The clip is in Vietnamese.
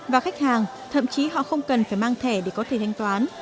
và khách hàng thậm chí họ không cần phải mang thẻ để có thể thanh toán